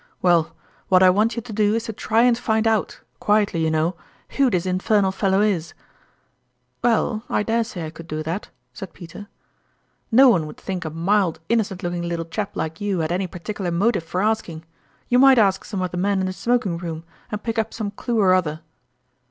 Well, what I want you to do is to try and find out quietly, you know who this infernal fellow is !" "Well, I dare bay I could do that," said Peter. "No one would think a mild, innocent 108 Sotttmaiin's ime Cheques. looking little chap like you had any particular motive for asking: you might ask some of the men in the smoking room, and pick up some clew or other."